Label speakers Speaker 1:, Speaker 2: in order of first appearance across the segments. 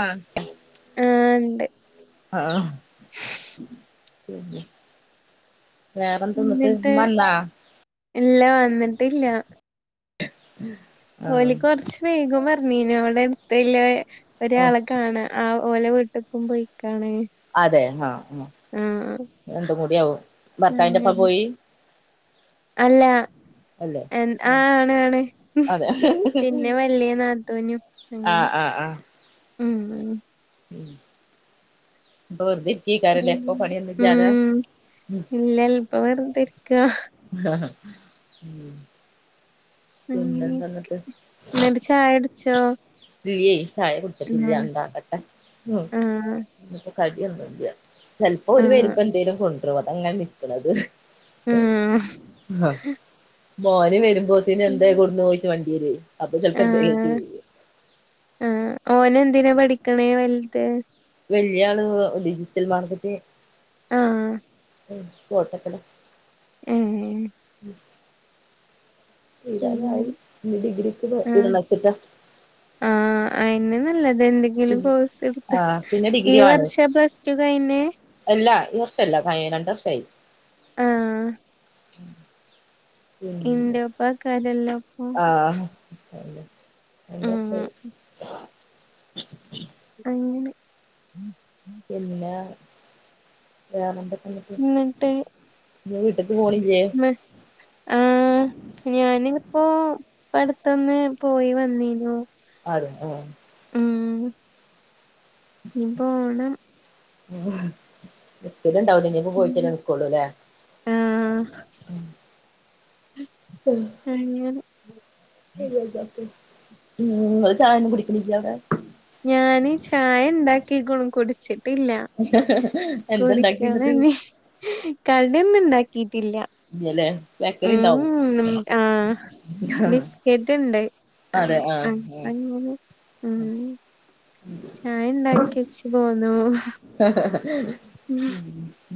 Speaker 1: ആഹ്‌
Speaker 2: ആഹ് ഇണ്ട്
Speaker 1: ആഹ്. വേറെന്താന്നട്ട്.
Speaker 2: എന്നിട്ട്
Speaker 1: മ്മന്നാ?
Speaker 2: ഇല്ല വന്നിട്ടില്ല.
Speaker 1: ആഹ്
Speaker 2: ഓല് കൊർച്ച് വൈകും പറഞ്ഞീനു അവ്ടെ പ്പല്ല്യ
Speaker 1: ഓഹ്
Speaker 2: ഒരെള കാണ ആ ഓലെ വീട്ട്ക്കും പൊയിക്കാണ്
Speaker 1: അതെ ആഹ് ആഹ്
Speaker 2: ആഹ്‌ അ.
Speaker 1: രണ്ടും കൂടി ആവും ഭർത്താവിന്റെ പ്പാ പോയി?
Speaker 2: അല്ല
Speaker 1: അല്ലേ
Speaker 2: എ ആ ആണ് ആണ്
Speaker 1: അതെ
Speaker 2: പിന്നെ വല്ല്യ നാ തന്യു
Speaker 1: ആഹ ആഹ ആഹ.
Speaker 2: ഉം ഉ.
Speaker 1: [inaudible]
Speaker 2: ഉം
Speaker 1: [unintelligible] പണി
Speaker 2: ഉം
Speaker 1: ഒന്നുല്ല്യാതെ.
Speaker 2: ഇല്ല ഇപ്പൊ വെറുതെ ഇരിക്ക
Speaker 1: [unintelligible]
Speaker 2: [unintelligible] ന്നിട്ട് ചായ കുടിച്ചോ.
Speaker 1: [unintelligible] ചായ കുടിച്ചിട്ടില്ല്യാ
Speaker 2: ആഹ്
Speaker 1: ണ്ടാക്കട്ടെ.
Speaker 2: ആഹ്
Speaker 1: [unintelligible] കടിയൊന്നുല്ല്യാ ചെലപ്പോ ഓല്
Speaker 2: ആഹ്
Speaker 1: വരുമ്പോ ന്തേലും കൊണ്ടുരും അതാ ങ്ങനെ ഇര്ക്കണത്.
Speaker 2: ആഹ്
Speaker 1: ഹ മോന് വരുമ്പോതിന് എന്തേ [unintelligible] [unintelligible]
Speaker 2: എ ഓൻ എന്തിനാ പഠിക്കണേ വലുത്.
Speaker 1: വല്ല്യാ ആള് ഡിജിറ്റൽ മാർക്കറ്റ്.
Speaker 2: ആ
Speaker 1: [unintelligible]
Speaker 2: ഏ ഉം
Speaker 1: തീരാനായി [unintelligible] ഡിഗ്രി ക്ക് [unintelligible]
Speaker 2: ആ ആ [unintelligible] നല്ലത് എന്തെങ്കിലും കോഴ്സ് എടുത്ത്
Speaker 1: ആഹ് പിന്നെ
Speaker 2: ഈ
Speaker 1: ഡിഗ്രി ആണ്
Speaker 2: വർഷ [unintelligible] [unintelligible] കയിഞ്ഞേ.
Speaker 1: അല്ല ഈ വർഷല്ല രണ്ടു വർഷായി.
Speaker 2: ആ [unintelligible]
Speaker 1: ആ
Speaker 2: ഉം
Speaker 1: [unintelligible]
Speaker 2: അങ്ങനെ
Speaker 1: [unintelligible] വേറെ [unintelligible]
Speaker 2: ന്നിട്ട്
Speaker 1: പോണില്ലേ
Speaker 2: [inaudible] ഞാനിപ്പോ അടുത്തൊന്ന് പോയി വന്നീനു.
Speaker 1: അതെ ആ
Speaker 2: ഞ്ഞി പോണം.
Speaker 1: [inaudible] [unintelligible] ണ്ടാവൂല ലെ ഞ്ഞി പോ [unintelligible]
Speaker 2: ആ [inaudible]
Speaker 1: [inaudible]
Speaker 2: [unintelligible]
Speaker 1: [inaudible] ഉം ങ്ങള് ചായ ഒന്നും കുടിക്കണില്ല്യേ അവടെ.
Speaker 2: ഞാൻ ചായ ണ്ടാക്കിക്ണു കുടിച്ചിട്ടില്ല.
Speaker 1: [unintelligible] എന്താ ണ്ടാക്കി ന്നിട്ട്.
Speaker 2: കടി ഒന്നുണ്ടാക്കീട്ടില്ല.
Speaker 1: [unintelligible] ബാക്കറി ണ്ടാവും [unintelligible]
Speaker 2: [unintelligible] ണ്ട് അപ്പൊ
Speaker 1: ആഹ്
Speaker 2: ങ്ങനെ ആ [unintelligible] ചായ ണ്ടാക്കിച്ച് പോന്നു
Speaker 1: ഹഹ ഹ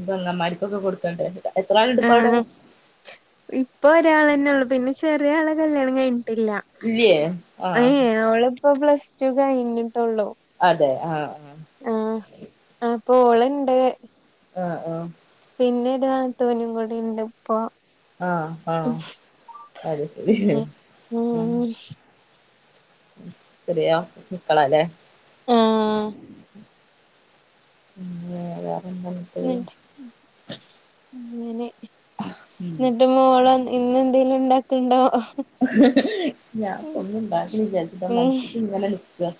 Speaker 1: പെങ്ങൻ മാർക്കൊക്കെ കൊടുക്കേണ്ടി [unintelligible] എത്ര ആളുണ്ട് പ്പോ അവിടെ
Speaker 2: ആഹ് ഇപ്പൊ ഒരാളെന്നെ ഒള്ളു പിന്നെ ചെറിയ ആളെ കല്യാണം കഴിഞ്ഞിട്ടില്ല.
Speaker 1: ല്ല്യേ ആ
Speaker 2: പ്പൊ പ്ലസ് ടു കഴിഞ്ഞിട്ടൊള്ളൂ.
Speaker 1: അതെ ആ ആ
Speaker 2: ആ അപ്പൊ ഓൾ ണ്ട്.
Speaker 1: ആ ആ
Speaker 2: പിന്നെ ഒരു നാത്തൂനും കൂടി ണ്ട് പ്പോ.
Speaker 1: ആ ആ
Speaker 2: ഉം ഉം
Speaker 1: [unintelligible] [unintelligible]
Speaker 2: ആ
Speaker 1: [unintelligible]
Speaker 2: [unintelligible] അങ്ങനെ
Speaker 1: ഉം
Speaker 2: എന്നിട്ട് മോള് ഇന്ന് എന്തെങ്കിലും ഉണ്ടാക്കുന്നുണ്ടോ
Speaker 1: ഞാനിപ്പൊ ഒന്നും ഉണ്ടാക്കണില്ലന്ന് വിചാരിച്ചിട്ടാ
Speaker 2: ഉം
Speaker 1: മടിച്ചിട്ട് ഇങ്ങനെ നിക്കുക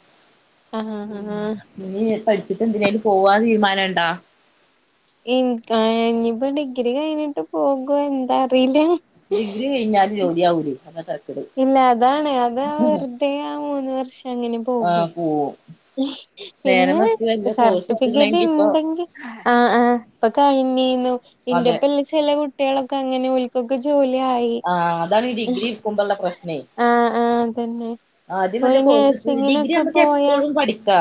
Speaker 2: ആഹ്
Speaker 1: ഉം ഇനി പഠിച്ചിട്ട് എന്തിനേലും പോവാൻ തീരുമാനം ഉണ്ടോ
Speaker 2: എനി ഇനിയിപ്പോ ഡിഗ്രി കഴിഞ്ഞിട്ട് പോകുവോ എന്താറിയില്ല
Speaker 1: ഡിഗ്രി കഴിഞ്ഞാല് ജോലി ആവൂല്ലേ [inaudible]
Speaker 2: ഇല്ല അതാണ് അതാ വെറുതെ ആ മൂന്ന് വർഷം അങ്ങനെ പോകും
Speaker 1: ഓഹ്
Speaker 2: പിന്നെ സർട്ടിഫിക്കറ്റ്
Speaker 1: എടുത്ത്ക്കണെങ്കി ഇപ്പൊ
Speaker 2: ഉണ്ടെങ്കിൽ ആഹ് ആഹ് ഇപ്പൊ കഴിഞ്ഞേയുന്നു
Speaker 1: അതെ
Speaker 2: എൻ്റപ്പമുള്ള ചില കുട്ടികളൊക്കെ അങ്ങനെ വിളി വക്ക് ജോലിയായി,
Speaker 1: ആഹ് അതാണ് ഈ ഡിഗ്രി ഇട്ക്കുമ്പള്ള പ്രശ്നേ
Speaker 2: ആഹ് ആഹ് തന്നെ
Speaker 1: ആദ്യം വല്ല
Speaker 2: പ്പോയി
Speaker 1: കോഴ്സ് ഡിഗ്രി
Speaker 2: നഴ്സിങ്ങിനൊക്കെ
Speaker 1: നമുക്ക്
Speaker 2: പോയാ
Speaker 1: എപ്പോഴും പഠിക്കാ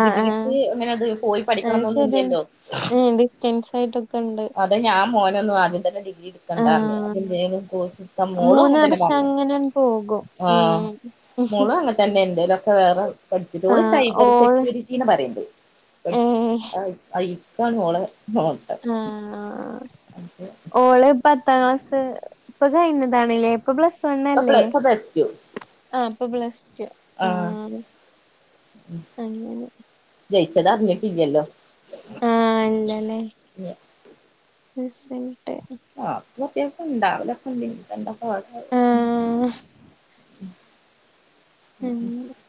Speaker 2: ആഹ്
Speaker 1: ഡിഗ്രിക്ക് അങ്ങനെ അത് പോയി പഠി
Speaker 2: ആഹ് ശരിയാണ് ഡിസ്റ്റൻസ് ആയിട്ടൊക്കെ ഇണ്ട്
Speaker 1: അതെ ഞാൻ മോനൊന്നും ആദ്യം തന്നെ ഡിഗ്രി എടുക്കണ്ടാന്ന് വിചാരിച്ചു ആദ്യം
Speaker 2: ആഹ്
Speaker 1: ഏതേലും കോഴ്സ് ആഹ് മോളും
Speaker 2: മൂന്ന്
Speaker 1: അങ്ങനെ തന്നെ
Speaker 2: വർഷം
Speaker 1: പറഞ്ഞെ
Speaker 2: അങ്ങനെ പോകും
Speaker 1: ആഹ്
Speaker 2: ഉം
Speaker 1: മോളും അങ്ങനെ തന്നെ ന്തേലും ഒക്കെ വേറെ പഠിച്ചിട്ട് ഓള്
Speaker 2: ആഹ്
Speaker 1: സൈബർ
Speaker 2: ഓള്
Speaker 1: സെക്യൂരിറ്റി റ്റിന്ന് പറയണ്ട്,
Speaker 2: ഏഹ്
Speaker 1: അ അയിപ്പാണ് ഓളെ നോട്ടം
Speaker 2: ആഹ് ഓള് പത്താം ക്ലാസ് ഇപ്പൊ കഴിഞ്ഞതാണല്ലേ ഇപ്പൊ പ്ലസ് വൺ
Speaker 1: ഇപ്പൊ പ്ല
Speaker 2: അല്ലേ
Speaker 1: ഇപ്പൊ പ്ലസ് ടു
Speaker 2: ആഹ് ഇപ്പൊ പ്ലസ് ടൂ ആഹ് അങ്ങനെ
Speaker 1: ജയിച്ചത് അറിഞ്ഞിട്ടില്ലല്ലോ
Speaker 2: ആഹ് ഇല്ലല്ലേ റിസൾട്ട്
Speaker 1: ആഹ് ഇപ്പൊ അത്യാവശ്യം ഇണ്ടവലെക്കെ ഇണ്ടെയ്ന്ന് ഇഞ്പ്പെന്താ..
Speaker 2: ആഹ്
Speaker 1: [inaudible]
Speaker 2: [inaudible]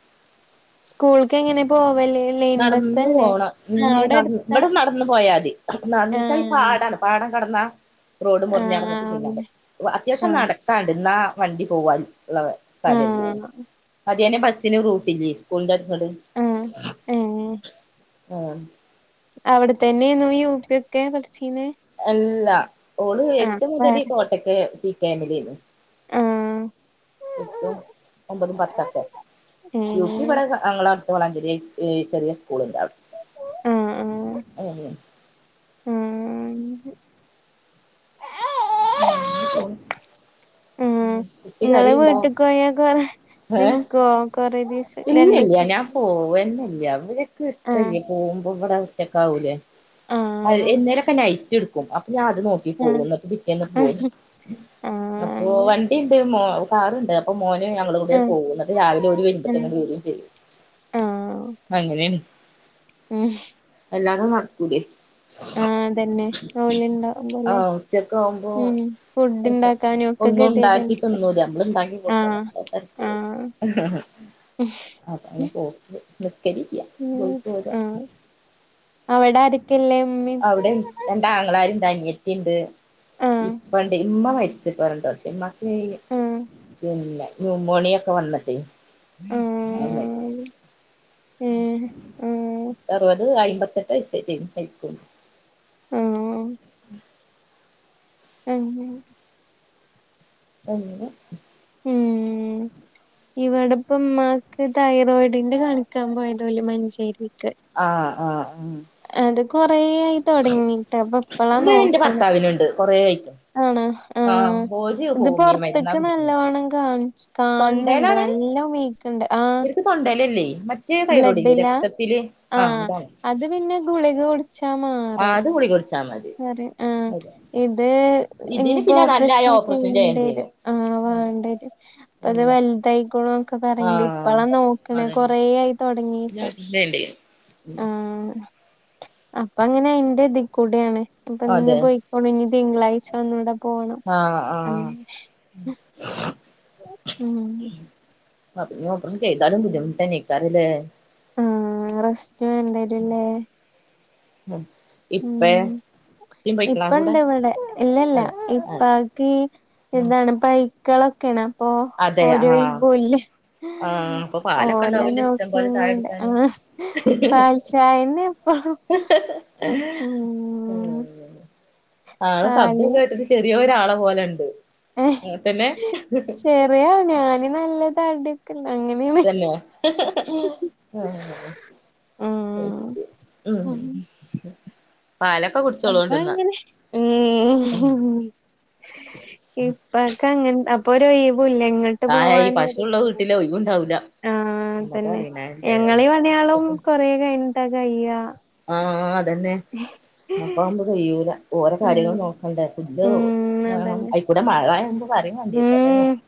Speaker 2: സ്കൂൾക്ക് എങ്ങനെ പോവല് ലൈൻ
Speaker 1: നടന്നു
Speaker 2: ബസ്സല്ലേ
Speaker 1: പോണം
Speaker 2: ആഹ്
Speaker 1: ഇന്ന് ഞാൻ
Speaker 2: അവിടെ
Speaker 1: നടന്ന്
Speaker 2: അടുത്താ
Speaker 1: ഇവിടുന്ന് നടന്ന് പോയാതി നടന്നെന്ന് വെച്ചാൽ ഈ
Speaker 2: ആഹ്
Speaker 1: പാടാണ്, പാടം കടന്നാൽ റോഡ് മുറിഞ്ഞ്നടന്നിട്ട് പിന്നങ്ങട്
Speaker 2: ആഹ്
Speaker 1: അത്യാവശ്യം നട
Speaker 2: ആഹ്
Speaker 1: ക്കാനുണ്ട് എന്നാൽ വണ്ടി പോവാൻ ഉള്ള സ്ഥലമില്ല്യേനും
Speaker 2: ആഹ്
Speaker 1: അതിയന്നെ ബസ്സിന് റൂട്ടില്ലേ സ്കൂളിന്റെ അടുത്തൂന്ന് ഇങ്ങോട്ട്
Speaker 2: ഉം
Speaker 1: ആഹ്
Speaker 2: അവിടെത്തന്നെയാണോ യു പി ഒക്കെ പഠിച്ചീനെ
Speaker 1: അല്ലാ ഓള്
Speaker 2: ആഹ്
Speaker 1: എട്ട് മുതല്
Speaker 2: വേറെ
Speaker 1: കോട്ടയ്ക്കൽ പി കെ എം ലാരുന്ന്
Speaker 2: ആഹ്
Speaker 1: എട്ടും ഒമ്പതും പത്തൊക്കെ യു പി
Speaker 2: ഏഹ്
Speaker 1: ഇവിടെ ഞങ്ങളടുത്ത് വളാഞ്ചേരി ചെറിയ സ്കൂളുണ്ട് അവിടെ
Speaker 2: ആഹ് ആഹ് ആഹ്
Speaker 1: [inaudible] അങ്ങനെ പോണ്
Speaker 2: ഉം
Speaker 1: കുട്ടി
Speaker 2: ഇങ്ങള്
Speaker 1: കരയുന്നുണ്ടോ
Speaker 2: വീട്ട്ക്ക് പോയാ കൊറെ
Speaker 1: ഏഹ്
Speaker 2: നിക്കോ കൊറെ ദിവസം
Speaker 1: ഇല്ല്യല്ല്യാ ഞാൻ
Speaker 2: രണ്ടൂസൊക്കെ
Speaker 1: പോവെന്നില്ല അവര് ർക്ക്
Speaker 2: ആഹ്
Speaker 1: ഇഷ്ടല്ല്യ പോകുമ്പോ ഇവിടെ ഒറ്റക്ക് ആവൂലേ,
Speaker 2: ആഹ്
Speaker 1: എന്നേലുമൊക്കെ നൈറ്റ് റ്റ് എടുക്കും അപ്പൊ ഞാനത് നോക്കി പോകും എന്നിട്ട് പിറ്റേന്ന് ഇങ്ങ്പോരും
Speaker 2: ആഹ്
Speaker 1: അപ്പൊ
Speaker 2: ആഹ്
Speaker 1: വ ണ്ടിയുണ്ട് മോ കാറുണ്ട് അപ്പൊ മോന് ഞങ്ങളേം കൂട്ടി
Speaker 2: ആഹ്
Speaker 1: പോകും എന്നിട്ട് രാവിലെ അവരുവരുംപഴ്ത്തേക്ക്
Speaker 2: ഉം
Speaker 1: ഇങ്ങോട്ട് വരികയും ചെയ്യും
Speaker 2: ആഹ്
Speaker 1: അങ്ങനെയാണ്
Speaker 2: ഉം
Speaker 1: എല്ലാടോം നടക്കൂലേ
Speaker 2: ആഹ് അതന്നെ ജോലിയുണ്ടാവും പോലെ
Speaker 1: വുമ്പോ
Speaker 2: ഒക്കെ ഗതികേടല്ലേ
Speaker 1: ഒന്നുംണ്ടാക്കിട്ടൊന്നുല്ല നമ്മള് ഇണ്ടാക്കി
Speaker 2: ആഹ്
Speaker 1: കൊടുക്കണം അത്തരത്തില് അഹ്
Speaker 2: മ്മ്ഹ്
Speaker 1: [unintelligible] നിസ്‌ക്കരിക്കുക
Speaker 2: ഉം
Speaker 1: [unintelligible]
Speaker 2: ആഹ് അവിടെ ആരെക്കെള്ളേ ഉമ്മി
Speaker 1: അവിടെ രണ്ടാങ്ങളാരുണ്ട്‌ അനീത്തീണ്ട്
Speaker 2: ആഹ്
Speaker 1: ഇപ്പണ്ട് ഇമ്മ മരി [unintelligible] മ്മാക്ക്
Speaker 2: ആഹ്
Speaker 1: പിന്നെ ന്യൂമോണിയൊക്കെ വന്നട്ട്
Speaker 2: ആഹ്
Speaker 1: ആഹ് മരിച്ച്
Speaker 2: ഏഹ് ആഹ്
Speaker 1: അറുപത് അയിമ്പത്തെട്ട് വയസ്സേട്ടേന് മരിക്കുമ്പോ
Speaker 2: ആഹ് ആഹ് [unintelligible]
Speaker 1: എന്നെ
Speaker 2: ഇവിടെപ്പമ്മാക്ക് തൈറോയിഡിന്റെ കാണിക്കാൻ പോയതോല് മഞ്ചേരിക്ക്
Speaker 1: ആഹ് ആഹ് ആഹ്
Speaker 2: അത് കൊറേയായി തൊടങ്ങിട്ട് അപ്പൊ ഇപ്പളാ
Speaker 1: ഇത് എന്റെ
Speaker 2: നോക്കണെ
Speaker 1: ഭർത്താവിനുണ്ട് കൊറേ ആയി
Speaker 2: ആണാ ആഹ് ഇത്
Speaker 1: ഹോമിയോ മരുന്നാ
Speaker 2: പൊറത്തെക്ക്
Speaker 1: കുടിക്ക്ണേ
Speaker 2: നല്ലവണം കാണി കാണ്ണ്ട് നല്ല വീക്ക്ണ്ട് ആഹ്
Speaker 1: തൊണ്ടല്ലല്ലേ മറ്റേ തൈറോടില്ലേ
Speaker 2: ബ്ലഡിലാ
Speaker 1: രക്തത്തില് ആഹ് അതാണ്
Speaker 2: അത് പിന്നെ ഗുളിക കുടിച്ചാ മാ
Speaker 1: ആഹ് അത് ഗുളിക കുടിച്ചാ മതി
Speaker 2: പറി ആഹ്
Speaker 1: അതെ
Speaker 2: ഇത്
Speaker 1: ഇതിന്
Speaker 2: ഇനിയിപ്പോ
Speaker 1: പിന്നെ നല്ല
Speaker 2: ഓപ്പറേഷൻ
Speaker 1: ചെയ്യേണ്ടി
Speaker 2: ചെയ്യേണ്ടരും
Speaker 1: വരും
Speaker 2: ആ വേണ്ടരും അപ്പ അത്
Speaker 1: ഉം
Speaker 2: വ ലതായ്ക്ക്ണുക്ക് പറയണ്ട്
Speaker 1: ആഹ്
Speaker 2: ഇപ്പളാ നോക്കണ
Speaker 1: അതന്നെ
Speaker 2: കൊറേ ആയി തൊടങ്ങീട്ട്
Speaker 1: [unintelligible]
Speaker 2: ആഹ് അപ്പ അങ്ങനെയിന്റെ ഇതീകൂടേണ് അപ്പൊ ഇന്ന്
Speaker 1: അതെ
Speaker 2: പൊയ് ണം ഇനി തിങ്കളാഴ്ച ഒന്നുടെ
Speaker 1: ആഹ് ആഹ്
Speaker 2: മ്മ്ഹ്
Speaker 1: അതിനി ഓപ്പറേഷം ചെയ്താലും ബുദ്ധിമുട്ടന്യേ നിക്കാറില്ലേ
Speaker 2: ആഹ് റെസ്റ്റ് വേണ്ടരുല്ലേ
Speaker 1: ഇപ്പഴ
Speaker 2: ഇപ്പണ്ട് ഇവിടെ ഇല്ല ഇല്ല
Speaker 1: ആഹ് ആഹ്
Speaker 2: ഇപ്പാക്ക്
Speaker 1: ഉം
Speaker 2: ഇതാണ് പൈക്കളൊക്കെണ് അപ്പൊ
Speaker 1: അതെ
Speaker 2: ഓര്
Speaker 1: ആഹ്
Speaker 2: പുല്ല്
Speaker 1: ആഹ് അപ്പൊ പാലൊക്കെ
Speaker 2: ഓല
Speaker 1: ഉണ്ടാവൂലേ ഇഷ്ടം പോലെ ചായ
Speaker 2: നോക്കിങ്ങൊണ്ട്
Speaker 1: കുടിക്കാന്
Speaker 2: ആഹ് പാൽച്ചായന്നെ ഇപ്പൊ
Speaker 1: ആരാ ശബ്ദം
Speaker 2: പാല്
Speaker 1: കേട്ടത് ചെറിയ ഒരാളെ പോലണ്ട് അങ്ങൻതന്നെ
Speaker 2: അയ്യോ ഞാന് നല്ലതടിയിക്കെണ്ട്‌ ഇനീപ്പ
Speaker 1: തന്നെയാ ആഹ് മ്മ്ഹ് പാലക്കെ കുടി
Speaker 2: അപ്പങ്ങനെ ഉം ഇപ്പൊക്കെ അങ്ങനെ അപ്പൊരോയിവൂലങ്ങ
Speaker 1: ആഹ് ഈ പശുള്ള വീട്ടില് ഒയുവുണ്ടാവൂല്ല
Speaker 2: ആഹ് തന്നെ ഞങ്ങളീ പണിയാളും കൊറേ കൈനിട്ട കയ്യ
Speaker 1: ആഹ് അതെന്നെ അപ്പകയൂല ഓരോ കാര്യങ്ങളും
Speaker 2: ആഹ്
Speaker 1: നോക്കണ്ടേ ഫുഡ്
Speaker 2: ഉം
Speaker 1: വേണം
Speaker 2: അതന്നെ
Speaker 1: അയിക്കൂടെ മഴയാക്കുമ്പോ പറയോം വേണ്ടില്ല
Speaker 2: ഉം
Speaker 1: [unintelligible]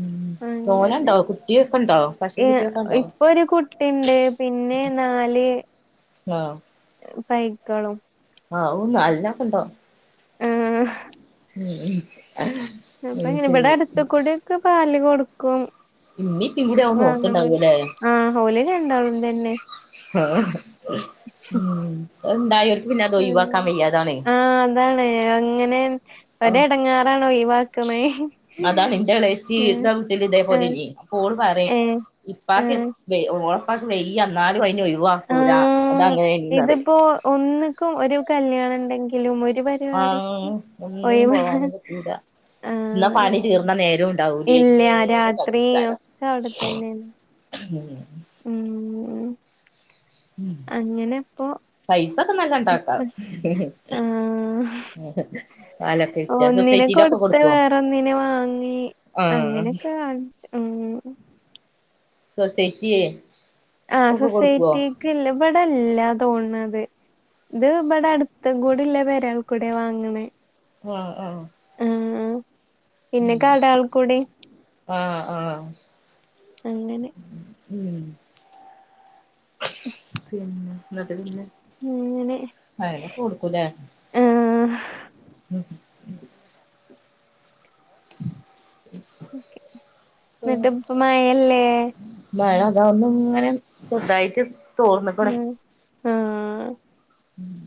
Speaker 1: മ്മ്ഹ്
Speaker 2: അങ്ങനെ
Speaker 1: തോനണ്ടോ കുട്ടിയൊക്കെണ്ടോ പശു
Speaker 2: ഏഹ്
Speaker 1: കുട്ടിയൊക്കെ ഉണ്ടോ
Speaker 2: ഇപ്പൊ ഒരു കുട്ടി ണ്ട് പിന്നെ നാല്
Speaker 1: ആഹ്
Speaker 2: പൈക്കളും
Speaker 1: ആഹ് നാലിനക്കെണ്ടോ?
Speaker 2: ആഹ്..
Speaker 1: ഉ [unintelligible]
Speaker 2: അപ്പൊ ഇങ്ങനെ ഇവിടെ അടുത്ത കൂടി ഒക്കെ പാല് കൊടുക്കും
Speaker 1: ഇന്നീപ്പ ഇവിടെയാവൻ
Speaker 2: വാങ്ങണോല്
Speaker 1: നോക്കണ്ടാവല്ലേ
Speaker 2: ആഹ് ഹോലി ഉണ്ടാളുംന്നെ.
Speaker 1: ആ ഉ എന്തായവർക്ക് പിന്നെ അത്
Speaker 2: ഉം
Speaker 1: ഒഴിവാക്കാൻ വയ്യാതാണ്.
Speaker 2: ആഹ് അതാണ് അങ്ങനെ.
Speaker 1: ആഹ്
Speaker 2: ഒരെടങ്ങാറാണെ ഒഴിവാക്കുന്നെ
Speaker 1: അതാണ് എന്റെ
Speaker 2: ഉം ആഹ്
Speaker 1: ഇപ്പോൾ പറയും
Speaker 2: ഏഹ്
Speaker 1: ഇപ്പക്ക്
Speaker 2: ആഹ്
Speaker 1: ഓണപ്പക്ക് വെയിന്നാലും അതിന് ഒഴിവാക്കൂല [unintelligible]
Speaker 2: ആഹ്
Speaker 1: അതങ്ങനെയാണീന്ന് പറയും
Speaker 2: ഇതിപ്പോ ഒന്നിക്കും ഒരു കല്യാണം ഉണ്ടെങ്കിലും, ഒരു
Speaker 1: ആഹ
Speaker 2: പരിപാടിക്കും
Speaker 1: ഒന്നിനും
Speaker 2: ഒഴിവ്
Speaker 1: പോവാനും പറ്റല്ല എന്ന
Speaker 2: ആഹ്
Speaker 1: പണി തീർന്ന നേരവും ഉണ്ടാവൂലി
Speaker 2: ഇല്ല രാത്രി
Speaker 1: നേര
Speaker 2: ഒക്കെ അവിടെ തന്നെയാണ്
Speaker 1: [unintelligible] ഉം
Speaker 2: ഉം അങ്ങനെ ഇപ്പോ
Speaker 1: പൈസ ഒക്കെ നല്ല ഉണ്ടാക്ക.
Speaker 2: ഒന്നിനെ കൊടുത്ത് വേറെന്നിനെ വാങ്ങി,
Speaker 1: ആഹ്
Speaker 2: അങ്ങനെയൊക്കെ കാണിച്ച. ഉം.
Speaker 1: സൊസൈറ്റി യെ..
Speaker 2: ആ സൊസൈറ്റിക്ക് ഇല്ല, ഇവിടല്ല തോന്നണത്. ഇത് ഇവിടെ അടുത്ത കൂടി ഉള്ള ഒരാൾക്കു കൂടെയ വാങ്ങണേ
Speaker 1: ആ ആഹ..
Speaker 2: ആഹ ആ പിന്നെ കടകൾ കൂടി
Speaker 1: ഉ ആ ആ..
Speaker 2: അങ്ങനെ
Speaker 1: ഉം
Speaker 2: ഉം
Speaker 1: പിന്നെ നട്ട പിന്നെ
Speaker 2: അങ്ങനെ.
Speaker 1: അതിനെ കൊടുക്കും ല്ലേ?
Speaker 2: ആ എന്നിട്ട് ഇപ്പോ മഴ ല്ലേ?
Speaker 1: മഴ അത ഒന്ന ഇങ്ങനെ ചെറുതായിട്ട് തോർന്നക്കണ
Speaker 2: ഉം ആ
Speaker 1: ഉം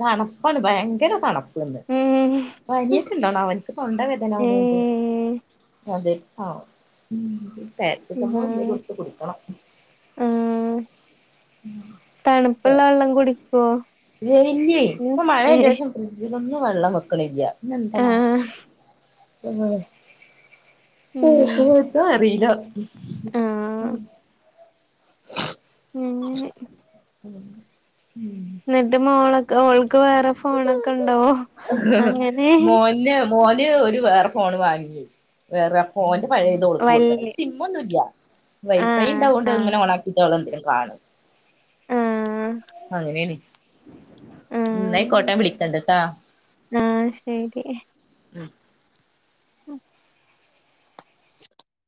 Speaker 1: തണുപ്പാണ് ഭയങ്കര തണുപ്പ്.
Speaker 2: ഉം
Speaker 1: മഴ ആയിട്ടെന്താണാണോ അവനിക്ക് തൊണ്ട വേദന
Speaker 2: ഏ
Speaker 1: ആണണ്ട്, അതെ ആ പാരസെറ്റമോൾ ഒന്ന് എടുത്ത് കൊടുക്കണം.
Speaker 2: ഉം... തണുപ്പുള്ള വെള്ളം കുടിക്കോ! ഏ
Speaker 1: ഫ്രിജിലൊന്നും വെള്ളം വെക്കണില്ല, പിന്ന
Speaker 2: ആ
Speaker 1: എന്തണ ഒന്നും
Speaker 2: ഉം
Speaker 1: അറിയില്ല.
Speaker 2: ആ മ്മ്.
Speaker 1: ഉം
Speaker 2: എന്നിട്ട് മോളൊക്കെ ഒൾക്ക് വേറെ ഫോണൊക്കെ ഉണ്ടാവോ, അങ്ങനെ
Speaker 1: മോന് മോന് ഒരു വേറെ ഫോണ് വാങ്ങിച്ച്. വേറെ ഫോന്റെ പഴയ ഇത് ഒളക്കക്ക് കൊടുത്തണേ
Speaker 2: വല്യ
Speaker 1: സിം ഒന്നും ഇല്ല വൈഫൈ
Speaker 2: ആഹ്
Speaker 1: ഉണ്ടാവുകൊണ്ട്
Speaker 2: ആഹ്
Speaker 1: ഇങ്ങനെണക്കും ത്വളന്തരം കാണും [unintelligible]
Speaker 2: ഉം..
Speaker 1: അങ്ങനേനി ന്ന
Speaker 2: ആഹ്
Speaker 1: ആയിക്കോട്ടെ ഞ ബിളികണ്ട് ട്ട.
Speaker 2: ആഹ് ശരി.
Speaker 1: ഉം
Speaker 2: ഉം [unintelligible]